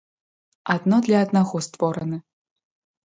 Адно для аднаго створаны.